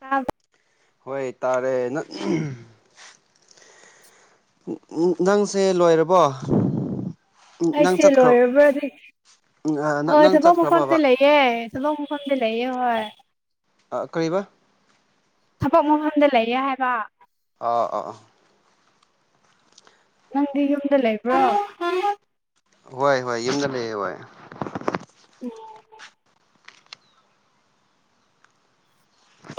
ꯇꯥꯕ꯭ꯔ ꯍꯣꯏ ꯇꯥꯔꯦ ꯅ [inaudible] ꯅꯪꯁꯦ ꯂꯣꯏꯔꯕꯣ ꯅꯪ ꯑꯩꯁꯦ ꯆꯠꯈ꯭ꯔ ꯂꯣꯏꯔꯕ꯭ꯔꯗꯤ ꯍꯣꯢ ꯅꯪ ꯊꯕꯛ ꯆꯠꯈ꯭ꯔꯕꯕ ꯃꯐꯝꯗ ꯂꯩꯌꯦ ꯊꯕꯛ ꯃꯐꯝꯗ ꯂꯩꯌꯦ ꯍꯣꯢ ꯑ ꯀꯔꯤꯕ ꯊꯕꯛ ꯃꯐꯝꯗ ꯂꯩꯌꯦ ꯍꯥꯏꯕ ꯑꯥ ꯑꯥ ꯑ ꯅꯪꯗꯤ ꯌꯨꯝꯗ ꯂꯩꯕ꯭ꯔꯣ ꯍꯣꯏ ꯍꯣꯏ ꯌꯨꯝꯗ ꯂꯩꯌꯦ ꯍꯣꯏ ꯎꯝ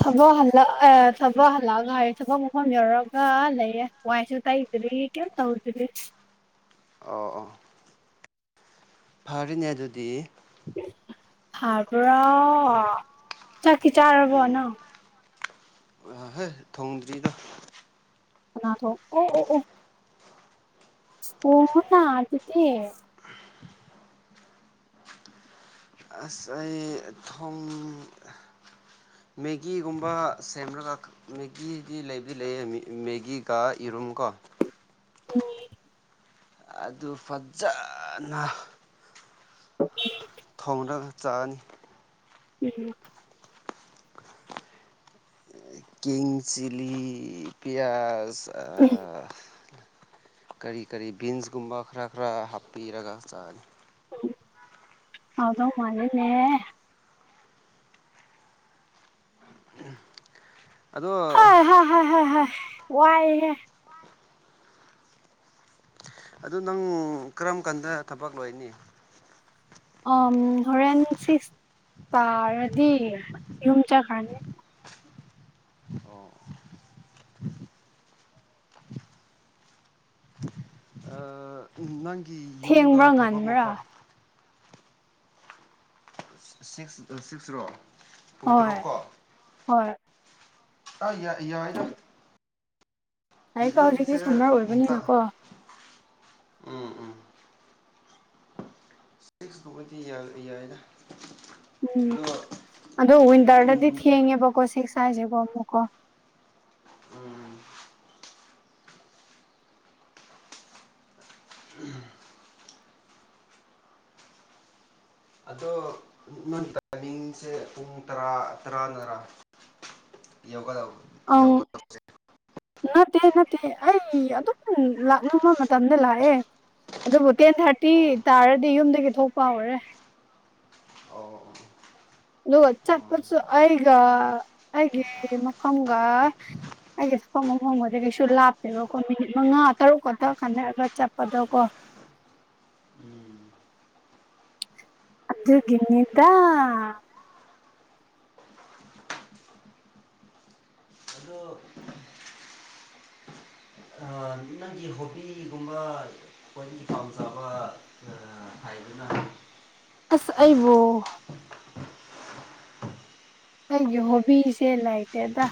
ꯊꯕꯛ ꯍꯜꯂꯑꯦ ꯊꯕꯛ ꯍꯜꯂꯛꯑꯒ ꯍꯥꯢꯔꯦ ꯊꯕꯛ ꯃꯐꯝ ꯌꯧꯔꯒ ꯂꯩꯌꯦ ꯋꯥꯏꯁꯨ ꯇꯩ ꯗꯔꯤ ꯀꯩꯝ ꯇꯧꯗꯔꯤ ꯑꯣ ꯑꯣ ꯐꯔꯤꯅꯦ ꯑꯗꯨꯗꯤ ꯍꯥꯥꯔꯕꯥ ꯆꯥꯛꯇꯤ ꯆꯥꯔꯕꯣ ꯅꯪ ꯑ ꯍꯩ ꯊꯣꯡꯗ꯭ꯔꯤꯗ ꯀꯅꯥꯊꯣꯡꯑꯣ ꯑꯣ ꯑꯣ ꯊꯣꯡꯉꯣꯅ ꯑꯗꯨꯗꯤ ꯑꯁ ꯑꯩ ꯊꯨꯝ ꯃꯦꯒꯤꯒꯨꯝꯕ ꯁꯦꯝꯂꯒ ꯃꯦꯒꯤꯗꯤ ꯂꯩꯕꯗꯤ ꯂꯩꯌꯦ ꯃꯦꯒꯤꯒ ꯏꯔꯣ ꯔꯨꯝꯒꯣ ꯎꯝ ꯑꯗꯨ ꯐꯠꯖꯅ ꯑ ꯊꯣꯡꯔꯒ ꯆꯥꯅꯤ ꯎꯝ ꯀꯤꯡ ꯆꯤꯂꯤ ꯄꯤꯌꯥꯖ ꯀꯔꯤ ꯀꯔꯤ ꯕꯤꯟꯁꯒꯨꯝꯕ ꯈꯔ ꯈꯔ ꯍꯥꯞꯄꯤꯔꯒ ꯆꯥꯅꯤ ꯍꯥꯎꯗꯧ ꯃꯥꯜꯂꯤꯅꯦ ꯑꯗꯣ ꯍꯥꯢ ꯍꯥꯢ ꯍꯥꯢ ꯍꯥꯢ ꯍ ꯋꯥꯏꯍꯦ ꯑꯗꯨ ꯅꯪ ꯀꯔꯝ ꯀꯥꯟꯗ ꯊꯕꯛ ꯂꯣꯏꯅꯤ ꯑꯣ ꯍꯣꯔꯦꯟ ꯁꯤꯛꯁ ꯇꯥꯔꯗꯤ ꯌꯨꯝ ꯋꯠꯈ꯭ꯔꯅꯤ ꯑꯣ ꯅꯪꯒꯤ ꯌꯨꯝꯒ ꯊꯦꯡꯕ꯭ꯔꯥ ꯊꯕꯛ ꯉꯟꯕ꯭ꯔꯥ ꯃꯐ ꯁꯤꯛꯁ ꯁꯤꯛꯁꯔꯣ ꯄꯨꯡ ꯇꯔꯨꯛ ꯍꯣꯏ ꯀꯣ ꯍꯣꯏ ꯑꯥ ꯌꯥꯏ ꯌꯥꯏꯗ ꯂꯥꯏꯔꯤꯛ ꯄꯥꯎ ꯍꯧꯖꯤꯛꯇꯤ ꯅꯪꯒꯤꯁꯦ ꯁꯝꯃꯔ ꯑꯣꯏꯕꯅꯤꯅꯀꯣ ꯎꯝ ꯎꯝ ꯁꯤꯛꯁꯇꯨꯕꯨꯗꯤ ꯌꯥꯢ ꯌꯥꯏꯗ ꯎꯝ ꯑꯗꯣ ꯑꯗꯣ ꯋꯤꯟꯇꯔꯗꯗꯤ ꯎꯝ ꯊꯦꯡꯉꯦꯕꯀꯣ ꯁꯤꯛꯁ ꯍꯥꯏꯁꯦꯀꯣ ꯑꯃꯨꯛꯀꯣ ꯎꯝ ꯎꯝ ꯑꯗꯣ ꯅꯪ ꯇꯥꯏꯃꯤꯡꯁꯦ ꯄꯨꯡ ꯇꯔꯥ ꯇꯔꯥꯅꯔꯥ ꯌꯧꯒꯗꯧꯕ ꯑꯪ ꯌꯧꯒꯗꯧꯕ ꯅꯠꯇꯦ ꯅꯠꯇꯦ ꯑꯩ ꯑꯗꯨꯝ ꯂꯥꯛꯅꯤꯡꯕ ꯃꯇꯝꯗ ꯂꯥꯛꯑꯦ ꯑꯗꯨꯕꯨ ꯇꯦꯟ ꯊꯥꯔꯇꯤ ꯑꯣ ꯇꯥꯔꯗꯤ ꯌꯨꯝꯗꯒꯤ ꯊꯣꯛꯄ ꯍꯧꯔꯦ ꯑꯣ ꯗꯨꯒ ꯑꯣ ꯆꯠꯄꯠꯁꯨ ꯑꯩꯒ ꯑꯩꯒꯤ ꯃꯐꯝꯒ ꯑꯩꯒꯤ ꯊꯕꯛ ꯃꯐꯝꯒꯗꯤ ꯀꯩꯁꯨ ꯂꯥꯞꯇꯦꯕꯀꯣ ꯃꯤꯅꯤꯠ ꯃꯉꯥ ꯇꯔꯨꯛꯀꯛꯇ ꯈꯟꯅꯔꯒ ꯆꯠꯄꯗꯣ ꯀꯣ ꯎꯝ ꯑꯗꯨꯒꯤꯅꯤꯗ ꯑꯗꯣ ꯅꯪꯒꯤ ꯍꯣꯕꯤꯒꯨꯝꯕ ꯈ꯭ꯋꯥꯏꯗꯒꯤ ꯄꯥꯝꯖꯕ ꯍꯥꯏꯗꯨꯅ ꯑꯁ ꯑꯩꯕꯨ ꯑꯩꯒꯤ ꯍꯣꯕꯤꯁꯦ ꯂꯩꯇꯦꯗ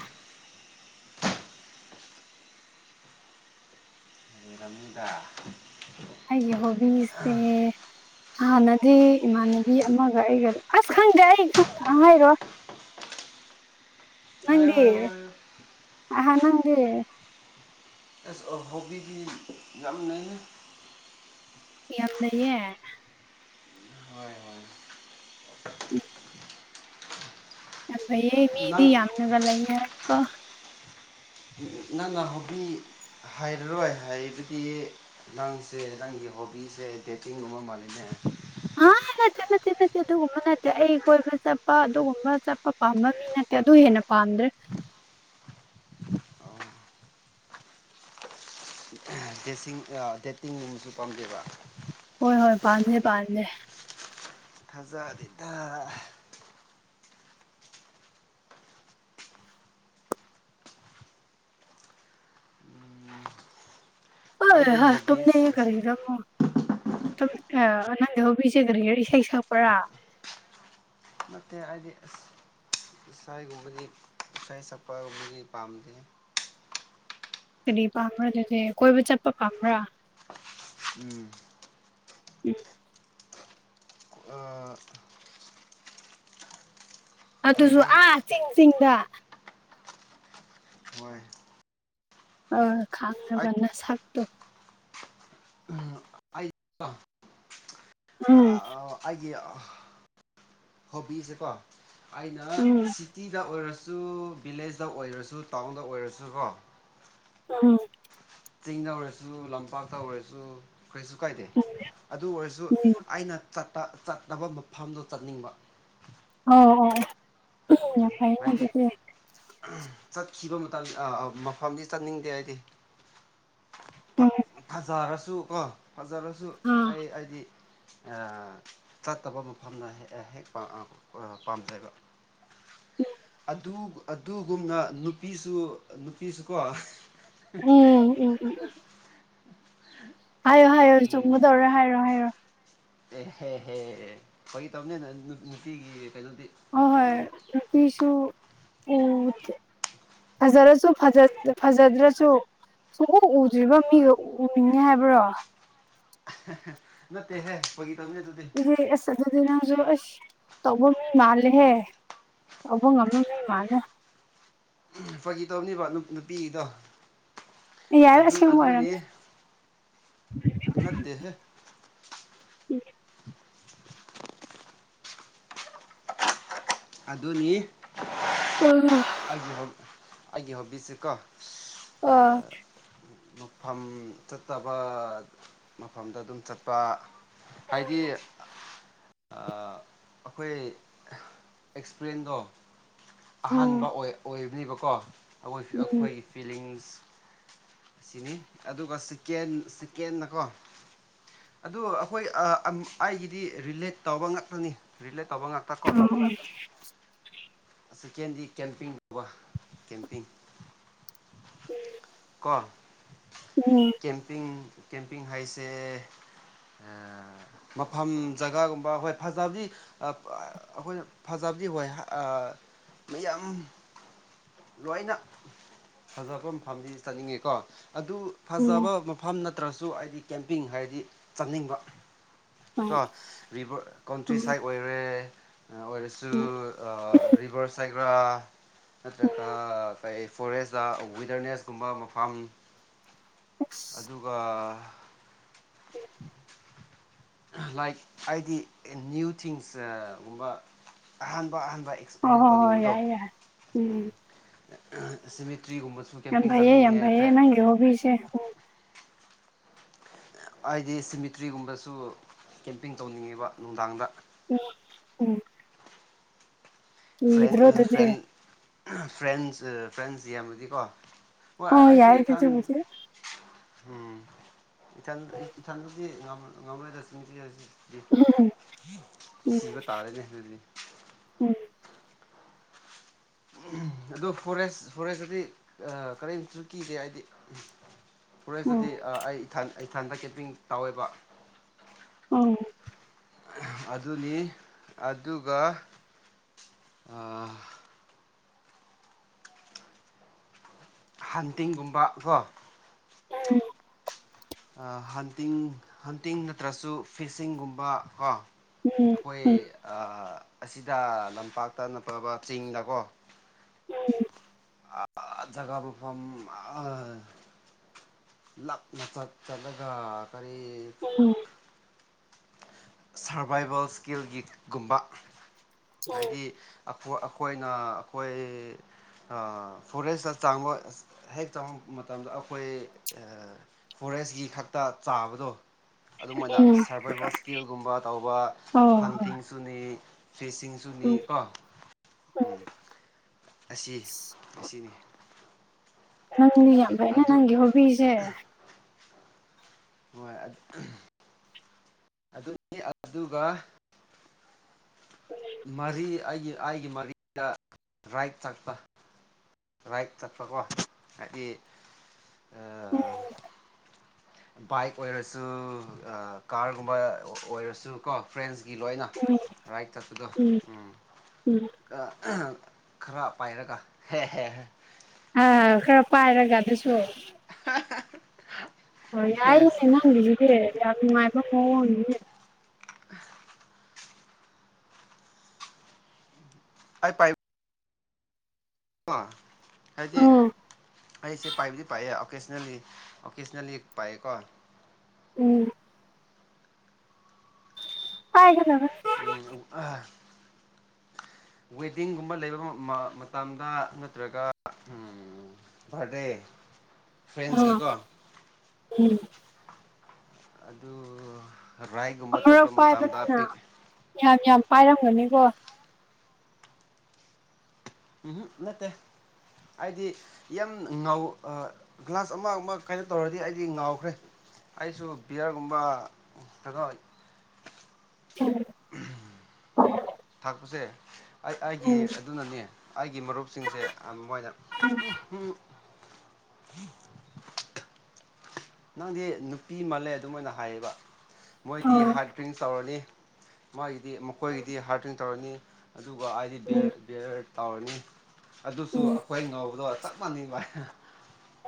ꯂꯩꯔꯝꯅꯤꯗ ꯑꯩꯒꯤ ꯍꯣꯕꯤꯁꯦ ꯍꯥꯟꯅꯗꯤ ꯏꯃꯥꯟꯅꯕꯤ ꯑꯃꯒ ꯑꯩꯒ ꯑꯁ ꯈꯪꯗꯦ ꯑꯩ ꯈꯪꯗ ꯍꯥꯏꯔꯣꯢ ꯍꯥꯏꯌꯣ ꯅꯪꯗꯤ ꯍꯥꯏꯌꯣ ꯍꯥꯏꯌꯣ ꯑꯍꯥ ꯅꯪꯗꯤ ꯑꯁ ꯍꯣꯕꯤꯗꯤ ꯌꯥꯝ ꯂꯩꯌꯦ ꯌꯥꯝ ꯂꯩꯌꯦ ꯍꯣꯏ ꯍꯣꯏ ꯎꯝ ꯌꯥꯝ ꯐꯩꯌꯦ ꯃꯤꯗꯤ ꯅꯪ ꯌꯥꯝꯅꯒ ꯂꯩꯅꯔꯦꯀꯣ ꯅꯪꯅ ꯍꯣꯕꯤ ꯍꯥꯏꯔꯔꯣꯏ ꯍꯥꯏꯔꯤꯕꯗꯤ ꯅꯪꯁꯦ ꯅꯪꯒꯤ ꯍꯣꯕꯤꯁꯦ ꯗꯦꯠꯇꯤꯡꯒꯨꯝꯕ ꯃꯥꯜꯂꯤꯅꯦ [inaudible] ꯑ ꯅꯠꯇꯦ ꯅꯠꯇꯦ ꯅꯠꯇꯦ ꯑꯗꯨꯒꯨꯝꯕ ꯅꯠꯇꯦ ꯑꯩ ꯀꯣꯏꯕ ꯆꯠꯄ ꯑꯗꯨꯒꯨꯝꯕ ꯆꯠꯄ ꯄꯥꯝꯕ ꯃꯤ ꯅꯠꯇꯦ ꯑꯗꯨ ꯍꯦꯟꯅ ꯄꯥꯝꯗ꯭ꯔꯦ [inaudible] ꯗꯦꯠꯁꯤꯡ ꯗꯦꯠꯇꯤꯡꯒꯨꯝꯕꯁꯨ ꯄꯥꯝꯗꯦꯕ ꯍꯣꯏ ꯍꯣꯏ ꯄꯥꯥꯝꯗꯦ ꯄꯥꯝꯗꯦ ꯊꯥꯖꯗꯦꯗ ꯑꯣꯏ ꯑꯩꯗꯤ ꯍꯣꯏ ꯇꯨꯝꯅꯤꯡꯉꯦ ꯍꯣꯕꯤꯁ ꯀꯔꯤꯒꯤꯔꯥ ꯑꯃꯨꯛ ꯇꯨꯝ ꯑꯥ ꯅꯪꯗꯤ ꯍꯣꯕꯤꯁꯦ ꯀꯔꯤꯔꯥ ꯏꯁꯩ ꯁꯛꯄꯔꯥ ꯅꯠꯇꯦ ꯑꯩꯗꯤ ꯑꯁ ꯏꯁꯩꯒꯨꯝꯕꯗꯤ ꯏꯁꯩ ꯁꯛꯄꯒꯨꯝꯕꯗꯤ ꯄꯥꯝꯗꯦꯍꯦ ꯀꯔꯤ ꯄꯥꯝꯕ꯭ꯔ ꯑꯗꯨꯗꯤ ꯀꯣꯏꯕ ꯆꯠꯄ ꯄꯥꯝꯕ꯭ꯔ ꯎꯝ ꯎꯝ ꯑ ꯑꯗꯨꯖꯨ ꯑꯩꯗꯤ ꯑꯥ ꯆꯤꯡ ꯆꯤꯡꯗ ꯍꯣꯏ ꯑ ꯑꯩ ꯈꯥꯡꯔꯕ ꯅꯁꯛ ꯇꯣ ꯑꯩ ꯎꯝ ꯑꫭ ꯑꯩꯒꯤ ꯍꯣꯕꯤꯁꯦꯀꯣ ꯑꯩꯅ ꯎꯝ ꯁꯤꯇꯤꯗ ꯑꯣꯏꯔ ꯁꯨ ꯚꯤꯂꯦꯁꯇ ꯑꯣꯏꯔꯁꯨ ꯇꯥꯎꯟꯗ ꯑꯣꯏꯔꯁꯨ ꯀꯣ ꯑꯝ ꯆꯤꯡꯗ ꯑꯣꯏꯔꯁꯨ ꯂꯝꯄꯥꯛꯇ ꯑꯣꯏꯔꯁꯨ ꯀꯩꯁꯨ ꯀꯥꯏꯗꯦ ꯎꯝ ꯑꯗꯨ ꯑꯣꯏꯔꯁꯨ ꯎꯝ ꯑꯩꯅ ꯆꯠ ꯇ ꯆꯠꯇꯕ ꯃꯐꯝꯗꯣ ꯆꯠꯅꯤꯡꯕ ꯑꫭ ꯑꫭ [unintelligible] ꯌꯥꯝ ꯐꯩꯌꯦꯅ ꯍꯥꯏꯗꯤ ꯗꯨꯗꯤ ꯆꯠꯈꯤꯕ ꯃꯇꯝ ꯑꯥ ꯃꯐꯝꯗꯤ ꯆꯠꯅꯤꯡꯗꯦ ꯑꯩꯗꯤ ꯐ ꯎꯝ ꯐꯖꯔꯁꯨ ꯀꯣ ꯐꯖꯔꯁꯨ ꯑꯥ ꯑꯩ ꯑꯩꯗꯤ ꯑꯥ ꯆꯠꯇꯕ ꯃꯐꯝꯅ [unintelligible] ꯍꯦꯛ ꯑ ꯄꯥꯝꯖꯩꯕ ꯑꯗꯨ ꯑꯗꯨꯒꯨꯝꯅ ꯅꯨꯄꯤꯁꯨ ꯅꯨꯄꯤꯁꯨꯀꯣ ꯎꯝ ꯎꯝ ꯎꯝ [unintelligible] ꯍꯥꯏꯌꯣ ꯍꯥꯏꯌꯣ ꯆꯨꯝꯒꯗꯧꯔꯦ ꯍꯥꯏꯔꯣ ꯍꯥꯏꯔꯣ ꯑꯦꯍꯦ ꯍꯦ ꯐꯥꯒꯤ ꯇꯧꯅꯤꯅ ꯅꯨ ꯅꯨꯄꯤꯒꯤ ꯀꯩꯅꯣꯗꯤ ꯑꯣ ꯐꯒꯤ ꯍꯣꯏ ꯇꯧꯕꯅꯤꯗ ꯅꯨꯄꯤꯁꯨ [unintelligible] ꯐꯖꯔꯁꯨ ꯐꯖꯠ ꯐꯖꯗ꯭ꯔꯁꯨ ꯁꯨꯛ ꯎ ꯎꯗ꯭ꯔꯤꯕ ꯃꯤꯒ ꯎꯅꯤꯡꯉꯦ ꯍꯥꯏꯕ꯭ꯔꯣ [unintelligible] ꯅꯠꯇꯦ ꯍꯦ ꯐꯥꯒꯤ ꯇꯧꯕꯅꯤ ꯑꯗꯨꯗꯤ ꯏꯍꯦ ꯑꯁ ꯑꯗꯨꯗꯤ ꯅꯪꯖꯨ ꯑꯁ ꯇꯧꯕ ꯃꯤ ꯃꯥꯜꯂꯦ ꯍꯦ ꯇꯧꯕ ꯉꯝꯕ ꯃꯤ ꯃꯥꯜꯂꯦ ꯐꯥꯒꯤ ꯇꯧꯅꯤꯕ ꯅꯨꯄꯤꯒꯤꯗꯣ ꯑꯦ ꯌꯥꯔꯦ ꯑꯁꯦꯡꯕ ꯑꯣꯏꯔꯝꯅꯤ ꯅꯠꯇꯦ ꯍꯦ [unintelligible] ꯑꯗꯨꯅꯤ ꯎꯝ [unintelligible] ꯑꯩꯒꯤ ꯍꯣꯕꯤ ꯑꯩꯒꯤ ꯍꯣꯕꯤꯁꯦꯀꯣ ꯑ ꯃꯐꯝ ꯆꯠꯇꯕ ꯃꯐꯝꯗ ꯑꯗꯨꯝ ꯆꯠꯄꯥ ꯍꯥꯏꯗꯤ ꯑ ꯑꯈꯣꯏ ꯑꯦꯛꯁꯄ꯭ꯔꯦꯟꯗꯣ ꯎꯝ ꯑꯍꯥꯟꯕ ꯑꯣꯏ ꯑꯣꯏꯕꯅꯤꯕꯀꯣ ꯑꯈꯣꯏ ꯑꯁ ꯑꯈꯣꯏꯒꯤ ꯐꯤꯂꯤꯡꯁ ꯑꯁꯤꯅꯤ ꯑꯗꯨꯒ ꯁꯤꯀꯦꯟ ꯁꯤꯀꯦꯟꯅꯀꯣ ꯑꯗꯨ ꯑꯈꯣꯏ ꯑꯥ ꯑꯪ ꯑꯩꯒꯤꯗꯤ ꯔꯤꯂꯦꯠ ꯇꯧꯕ ꯉꯥꯛꯇꯅꯤ ꯔꯤꯂꯦꯠ ꯇꯧꯕ ꯉꯥꯛꯇꯀꯣ ꯍꯣꯏ ꯁꯤꯀꯦꯟꯗꯤ ꯀꯦꯝꯄꯤꯡ ꯇꯧꯕ ꯀꯦꯝꯄꯤꯡ ꯎꯝ ꯑ ꯀꯦꯝꯄꯤꯡ ꯀꯦꯝꯄꯤꯡ ꯍꯥꯏꯁꯦ ꯑꯥ ꯃꯐꯝ ꯖꯒꯥꯒꯨꯝꯕ ꯍꯣꯏ ꯐꯖꯕꯗꯤ ꯑꯞ ꯑꯥ ꯑꯩꯈꯣꯏꯅ ꯐꯖꯕ ꯑꯗꯨꯏ ꯋ ꯍ ꯑ ꯃꯌꯥꯝ ꯂꯣꯏꯅ ꯐꯖꯕ ꯃꯐꯝꯗꯤ ꯆꯠꯅꯤꯡꯉꯦꯀꯣ ꯑꯗꯨ ꯐꯖꯕ ꯃꯐꯝ ꯅꯠꯇ꯭ꯔꯁꯨ ꯍꯥꯏꯗꯤ ꯀꯦꯝꯄꯤꯡ ꯍꯥꯏꯔꯗꯤ ꯆꯠꯅꯤꯡꯕ ꯀꯣ ꯔꯤꯕꯔ ꯀꯣꯟꯇ꯭ꯔꯤ ꯁꯥꯏꯠ ꯑꯣꯏꯔꯦ ꯑ ꯑꯣꯏꯔꯁꯨ ꯍꯣꯏ ꯑꯥ ꯔꯤꯕꯔ ꯁꯥꯏꯠꯔꯥ ꯅꯠꯇ꯭ꯔꯒ ꯀꯩ ꯐꯣꯔꯦꯁꯇ ꯋꯤꯗꯔꯅꯦꯁꯀꯨꯝꯕ ꯃꯐꯝ ꯑꯗꯨꯒ ꯂꯥꯏꯛ ꯑꯩꯗꯤ ꯅ꯭ꯌꯨ ꯊꯤꯡꯁ ꯑꯥ ꯒꯨꯝꯕ ꯑꯍꯥꯟꯕ ꯑꯍꯥꯟꯕ ꯕ ꯑꯦꯛꯁꯄꯤꯔꯤꯌꯦꯟ ꯍꯣꯏ ꯇꯧꯅꯤꯡꯕꯗꯣ ꯌꯥꯏ ꯌꯥꯏ ꯎꯝ ꯑꯍꯥ ꯑꯦꯁꯤꯃꯤꯛ ꯌꯥꯝ ꯐꯥꯏꯌꯦ ꯌꯥꯝ ꯐꯥꯏꯌꯦ ꯅꯪꯒꯤ ꯍꯣꯕꯤꯁꯦ ꯍꯥꯏꯗꯤ ꯁꯤꯃꯤꯇ꯭ꯔꯤꯒꯨꯝꯕꯁꯨ ꯀꯦꯝꯄꯤꯡ ꯇꯧꯅꯤꯡꯉꯦꯕ ꯅꯨꯡꯗꯥꯡꯗ ꯎꯝ ꯎꯝ ꯐ꯭ꯔꯦꯟ ꯀꯤꯗ꯭ꯔꯣ ꯑꯗꯨꯗꯤ ꯐ꯭ꯔꯦꯟ ꯐ꯭ꯔꯦꯟꯁ ꯐ꯭ꯔꯦꯟꯁ ꯌꯥꯝꯃꯗꯤꯀꯣ ꯍꯣꯏ ꯑꯣ ꯑꯩꯁꯨ ꯌꯥꯏ ꯏꯊꯟ ꯑꯗꯨꯕꯨꯗꯤ ꯎꯝ ꯏꯊꯟ ꯏꯊꯟꯗꯗꯤ ꯉꯝ ꯉꯝꯂꯣꯏꯗ [unintelligible] ꯁꯤꯕ ꯇꯥꯔꯦꯅꯦ ꯑꯗꯨꯗꯤ ꯑꯍꯝ ꯑꯗꯨ ꯐꯣꯔꯦꯁ ꯐꯣꯔꯦꯁꯇꯗꯤ ꯑꯥ ꯀꯔꯤꯝꯁꯨ ꯀꯤꯗꯦ ꯍꯥꯏꯗꯤ ꯐꯣꯔꯦꯁꯇꯗꯤ ꯑꯩ ꯏꯊꯟ ꯏꯊꯟꯗ ꯀꯦꯝꯄꯤꯡ ꯇꯧꯋꯦꯕ ꯑꯝ ꯑꯗꯨꯅꯤ ꯑꯗꯨꯒ ꯑꯥ ꯍꯟꯇꯤꯡꯒꯨꯝꯕ ꯒꯣ ꯎꯝ ꯑꯥ ꯍꯟꯇꯤꯡ ꯍꯟꯇꯤꯡ ꯅꯠꯇ꯭ꯔꯁꯨ ꯐꯤꯁꯤꯡꯒꯨꯝꯕ ꯀꯣ ꯑꯩꯈꯣꯏ ꯑ ꯑꯁꯤꯗ ꯂꯝꯄꯥꯛꯇ ꯅꯠꯇꯕ ꯆꯤꯡꯗꯀꯣ ꯑ ꯖꯒꯥꯕꯨ ꯃꯐꯝ ꯑ ꯂꯥꯞꯅ ꯆꯠ ꯆꯠꯂꯒ ꯀꯔꯤ ꯎꯝ ꯁꯔꯚꯥꯏꯕꯦꯜ ꯏꯁꯀꯤꯜꯒꯤ ꯒꯨꯝꯕ ꯍꯥꯏꯗꯤ ꯈꯣ ꯑꯩꯈꯣꯏꯅ ꯑꯩꯈꯣꯏ ꯑ ꯐꯣꯔꯦꯁꯇ ꯆꯥꯡꯕ ꯍꯦꯛ ꯆꯥꯡꯕ ꯃꯇꯝꯗ ꯑꯩꯈꯣꯏ ꯐꯣꯔꯦ ꯔꯦꯁꯀꯤ ꯈꯛꯇ ꯆꯥꯕꯗꯣ ꯑꯗꯨꯃꯥꯏꯅ ꯁꯔꯚꯥꯏꯕꯦꯜ ꯏꯁꯀꯤꯜꯒꯨꯝꯕ ꯇꯧꯕ ꯑꯣ ꯍꯟꯇꯤꯡꯁꯨꯅꯤ ꯐꯤꯁꯁꯤꯡꯁꯨꯅꯤ ꯀꯣ ꯎꯝ ꯑꯁꯤ ꯑꯁꯤꯅꯤ ꯅꯪꯗꯤ ꯌꯥꯝ ꯐꯥꯏꯅ ꯑꯗꯨ ꯅꯪꯒꯤ ꯍꯣꯕꯤꯁꯦ ꯍꯣꯏ ꯑ ꯑꯗꯨꯅꯤ ꯑꯗꯨꯒ ꯃꯔꯤ ꯑꯩꯒꯤ ꯑꯩꯒꯤ ꯃꯔꯤꯗ ꯔꯥꯏꯠ ꯆꯥꯛꯄ ꯔꯥꯏꯠ ꯌꯠꯄꯀꯣ ꯍꯥꯏꯗꯤ ꯑ ꯕꯥꯏꯛ ꯑꯣꯏꯔꯁꯨ ꯑꯥ ꯀꯥꯔꯒꯨꯝꯕ ꯑꯣꯏꯔꯁꯨ ꯀꯣ ꯐ꯭ꯔꯦꯟꯁ ꯒꯤ ꯂꯣꯏꯅ ꯔꯥꯏꯠ ꯆꯠꯄꯗꯣ ꯎꯝ ꯀꯥ ꯈꯔ ꯄꯥꯏꯔꯒ ꯍꯦꯍꯦ ꯑ ꯈꯔ ꯄꯥꯏꯔꯒ ꯑꯗꯨꯁꯨ ꯑ ꯌꯦꯁ ꯌꯥꯏꯅꯦ ꯅꯪꯒꯤꯖꯤꯗꯤ ꯌꯥꯝ ꯅꯨꯡꯉꯥꯏꯕ ꯃꯑꯣꯡꯅꯤꯅꯦ [inaudible] ꯑꯩ ꯄꯥꯏ ꯀꯣ ꯍꯥꯏꯗꯤ ꯎꯝ ꯑꯩꯁꯦ ꯄꯥꯏꯕꯗꯤ ꯄꯥꯢꯌꯦ ꯑꯣꯀꯦꯁꯅꯦꯜꯂꯤ ꯑꯣꯀꯦꯁꯅꯦꯜꯂꯤ ꯄꯥꯢꯌꯦꯀꯣ ꯎꯝ ꯄꯥꯢꯒꯗꯕ ꯎꯝ ꯑꯍꯥ ꯋꯦꯗꯤꯡꯒꯨꯝꯕ ꯂꯩꯕ ꯃꯇꯝꯗ ꯅꯠꯇ꯭ꯔꯒ ꯑꯝ ꯕꯥꯔꯗꯦ ꯐ꯭ꯔꯦꯟꯁꯀꯤ ꯑꯥ ꯀꯣ ꯎꯝ ꯑꯗꯨ ꯔꯥꯏꯒꯨꯝꯕ ꯆꯠꯄ ꯑꯃꯔꯛ ꯃꯇꯝꯗ ꯄꯥꯢꯕꯅꯤꯅ ꯄꯤꯛ ꯌꯥꯝ ꯌꯥꯝ ꯄꯥꯏꯔꯝꯒꯅꯤ ꯀꯣ ꯑꯝꯍ ꯅꯠꯇꯦ ꯑꯩꯗꯤ ꯌꯥꯝ ꯉꯥꯎ ꯒ꯭ꯂꯥꯁ ꯑꯃ ꯑꯃ ꯀꯩꯅꯣ ꯇꯧꯔꯗꯤ ꯑꯩꯗꯤ ꯉꯥꯎꯈ꯭ꯔꯦ ꯑꯩꯁꯨ ꯕꯤꯌꯥꯔꯒꯨꯝꯕ ꯗꯔꯀꯥꯔ ꯑꯣꯏ [inaudible] ꯊꯥꯛꯄꯁꯦ ꯑꯩ ꯑꯩꯒꯤ ꯎꯝ ꯑꯗꯨꯅꯅꯦ ꯑꯩꯒꯤ ꯃꯔꯨꯞꯁꯤꯡꯁꯦ ꯑ ꯃꯣꯏꯅ ꯑ ꯎꯝ ꯍ ꯅꯪꯗꯤ ꯅꯨꯄꯤ ꯃꯥꯜꯂꯦ ꯑꯗꯨꯝꯃꯥꯢꯅ ꯍꯥꯏꯌꯦꯕ ꯃꯣꯏꯗꯤ ꯍꯥꯔꯠ ꯗ꯭ꯔꯤꯡꯁ ꯇꯧꯔꯅꯤ ꯃꯥꯒꯤꯗꯤ ꯃꯈꯣꯏꯒꯤꯗꯤ ꯍꯥꯔꯇꯤꯡ ꯇꯧꯔꯅꯤ ꯑꯗꯨꯒ ꯑꯩꯗꯤ ꯕꯤꯌꯔ ꯎꯝ ꯕꯤꯌꯔ ꯇꯧꯔꯅꯤ ꯑꯗꯨꯁꯨ ꯎꯝ ꯑꯩꯈꯣꯏ ꯉꯧꯕꯗꯣ ꯆꯞ ꯃꯥꯟꯅꯩꯕ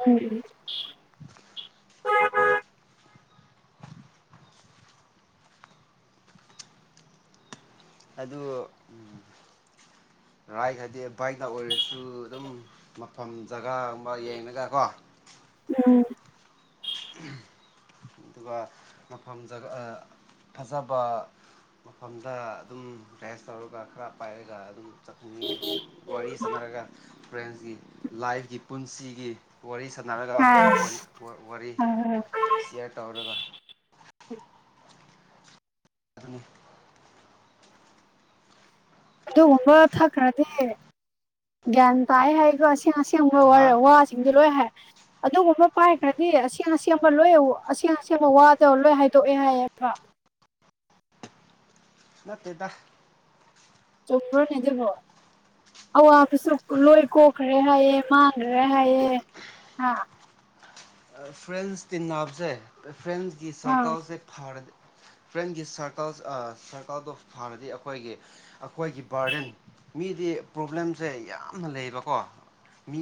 ꯎꯝ ꯎꯝ ꯑꯗꯨ ꯑꯝ ꯔꯥꯏꯛ ꯍꯥꯏꯗꯤ ꯕꯥꯏꯛꯅ ꯑꯣꯏꯔꯁꯨ ꯑꯗꯨꯝ ꯃꯐꯝ ꯖꯒꯥꯒꯨꯝꯕ ꯌꯦꯡꯉꯒ ꯀꯣ [inaudible] ꯎꯝ ꯑꯗꯨꯒ ꯃꯐꯝ ꯖꯒꯥ ꯑ ꯐꯖꯕ ꯃꯐꯝꯗ ꯑꯗꯨꯝ ꯔꯦꯁ ꯇꯧꯔꯒ ꯈꯔ ꯄꯥꯏꯔꯒ ꯑꯗꯨꯝ ꯆꯠꯅꯤꯡꯉꯤ ꯑꯗꯨꯝ ꯋꯥꯔꯤ ꯁꯥꯟꯅꯔꯒ ꯐ꯭ꯔꯦꯟꯁꯀꯤ ꯂꯥꯏꯐꯀꯤ ꯄꯨꯟꯁꯤꯒꯤ ꯋꯥꯔꯤ ꯁꯥꯟꯅꯔꯒ ꯋꯥꯔꯤ ꯑꯁ ꯋꯥꯔꯤ ꯑ ꯁꯤꯌꯥꯔ ꯇꯥꯎꯔꯒ ꯑꯗꯨꯅꯤ ꯑꯗꯨꯒꯨꯝꯕ ꯊꯛꯈ꯭ꯔꯗꯤ ꯒ꯭ꯌꯥꯟ ꯇꯥꯏ ꯍꯥꯏꯒꯣ ꯑꯁꯦꯡ ꯑꯁꯦꯡ ꯕ ꯋꯥꯔ ꯍꯥ ꯋꯥꯁꯤꯡꯗꯣ ꯂꯣꯏ ꯍꯥꯏ [inaudible] ꯑꯗꯨꯒꯨꯝꯕ ꯄꯥꯏꯈ꯭ꯔꯗꯤ ꯑꯁꯦꯡ ꯑꯁꯦꯡꯕ ꯂꯣꯏ ꯑꯁꯦꯡ ꯑꯁꯦꯡꯕ ꯋꯥꯗꯣ ꯂꯣꯏ ꯍꯥꯏꯗꯣꯛꯑꯦ ꯍꯥꯏꯌꯦꯕ [inaudible] ꯅꯠꯇꯦꯗ ꯆꯨꯝꯕ꯭ꯔꯣꯅꯦ ꯑꯗꯨꯕꯨ ꯑꯋꯥꯕꯁꯨ ꯂꯣꯏ ꯀꯣꯛꯈ꯭ꯔꯦ ꯍꯥꯏꯑꯦ ꯃꯥꯡꯒ꯭ꯔꯦ ꯍꯥꯏꯑꯦ ꯍꯥ ꯐ꯭ꯔꯦꯟꯁ ꯇꯤꯟꯅꯕꯁꯦ ꯐ꯭ꯔꯦꯟꯁꯀꯤ ꯑꯥ ꯁꯥꯔꯀꯜꯁꯦ ꯐꯔꯗꯤ ꯐ꯭ꯔꯦꯟꯒꯤ ꯁꯔꯀꯜꯁ ꯁꯔꯀꯜꯗꯣ ꯐꯔꯗꯤ ꯑꯩꯈꯣꯏꯒꯤ ꯑꯩꯈꯣꯏꯒꯤ ꯕꯥꯔꯗꯦꯟ ꯃꯤꯗꯤ ꯄ꯭ꯔꯣꯕ꯭ꯂꯦꯝꯁꯦ ꯌꯥꯝꯅ ꯂꯩꯌꯦꯕꯀꯣ ꯃꯤ